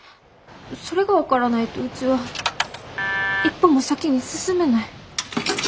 それが分からないとうちは一歩も先に進めない。